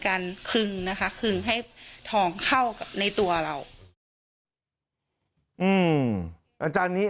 คึงนะคะคึงให้ทองเข้ากับในตัวเราอืมอาจารย์นี้